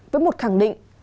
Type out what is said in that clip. với một khẳng định